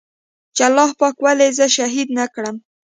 چې الله پاک ولې زه شهيد نه کړم.